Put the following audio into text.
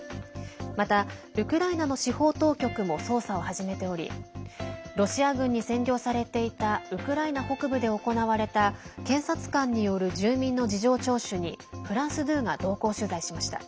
また、ウクライナの司法当局も捜査を始めておりロシア軍に占領されていたウクライナ北部で行われた検察官による住民の事情聴取にフランス２が同行取材しました。